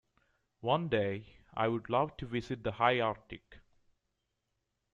One day, I would love to visit the high Arctic.